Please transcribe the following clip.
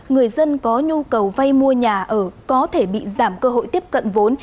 người dân có nhu cầu vay mua nhà ở có thể bị giảm cơ hội tiếp cận vốn